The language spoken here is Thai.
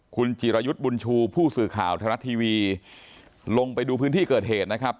คุณจิรยุทธ์บุญชูผู้สื่อข่าวไทยรัฐทีวีลงไปดูพื้นที่เกิดเหตุนะครับ